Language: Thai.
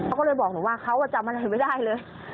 เขาก็เลยบอกหนูว่าเขาจำอะไรไม่ได้เลย